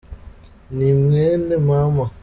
ni mwene mama.